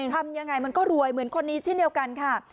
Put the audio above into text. ทำยังไงมันก็รวยเหมือนคนนี้เช่นเดียวกันค่ะ